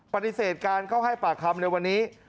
ปฏิเสธการเข้าให้ปากคำในวันนี้